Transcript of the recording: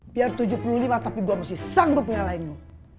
biar tujuh puluh lima tapi gue masih sanggup nyalahinmu